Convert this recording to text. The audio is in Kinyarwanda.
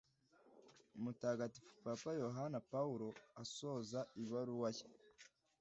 mutagatifu papa yohani pawulo asoza ibaruwa ye